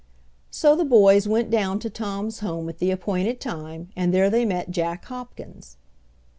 So the boys went down to Tom's home at the appointed time, and there they met Jack Hopkins.